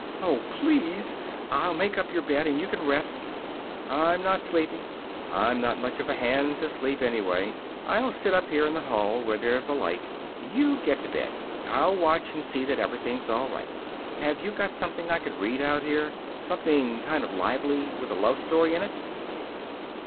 "Oh, please! I'll make up your bed and you can rest " "I'm not sleepy. I'm not much of a hand to sleep anyway. I'll sit up here in the hall, where there's a light. You get to bed. I'll watch and see that everything's all right. Have you got something I can read out here something kind of lively with a love story in it?"